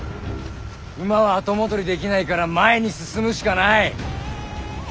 馬は後戻りできないから前に進むしかない。